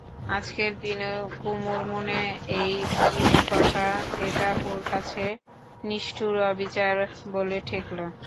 আজকের দিনেও কুমুর মনে এই বিমুখতা, এটা ওর কাছে নিষ্ঠুর অবিচার বলে ঠেকল।